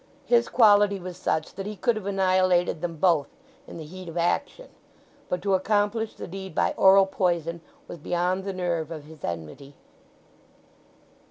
His quality was such that he could have annihilated them both in the heat of action; but to accomplish the deed by oral poison was beyond the nerve of his enmity.